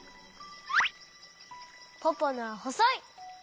ポポのはほそい。